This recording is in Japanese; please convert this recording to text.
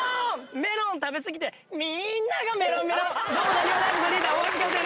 メロン食べ過ぎて、みんながめろんめろん、どうも、なにわ男子のリーダー、大橋和也